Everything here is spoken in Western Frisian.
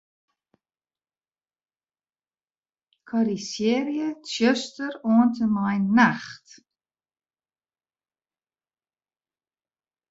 Korrizjearje 'tsjuster' oant en mei 'nacht'.